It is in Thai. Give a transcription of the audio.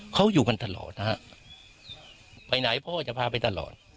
เขาอยู่กันตลอดนะฮะไปไหนพ่อจะพาไปตลอด